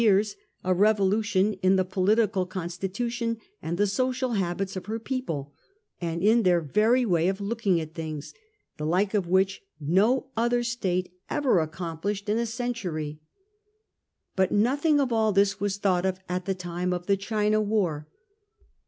years a revolution in the political constitution and the social habits of her people, and in their very way of looking at things, the like of which no other State ever accomplished in 1834 9 . THE TEADE THROWN OPEN. 169 a century. But nothing of all this was thought of at the time of the China War.